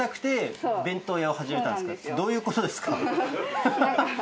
どういうことですか？